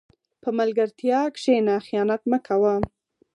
په ملګرتیا کښېنه، خیانت مه کوه.